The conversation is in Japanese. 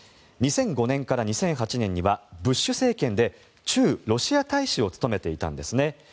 ２００５年から２００８年にはブッシュ政権で駐ロシア大使を務めていたんですね。